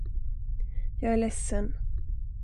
Jag är ledsen.